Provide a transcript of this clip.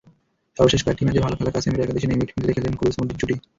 সর্বশেষ কয়েকটি ম্যাচে ভালো খেলা কাসেমিরো একাদশে নেই, মিডফিল্ডে খেললেন ক্রুস-মডরিচ জুটি।